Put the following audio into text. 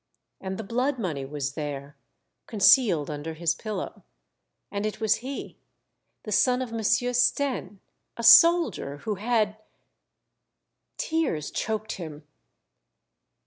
And the blood money was there, concealed under his pillow; and it was he, the son of Monsieur Stenne, a soldier who had — tears choked him.